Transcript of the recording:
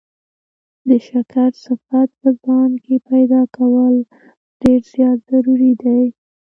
د شکر صفت په ځان کي پيدا کول ډير زيات ضروري دی